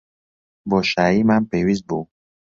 بۆشاییمان پێویست بوو.